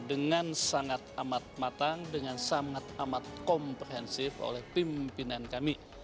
dengan sangat amat matang dengan sangat amat komprehensif oleh pimpinan kami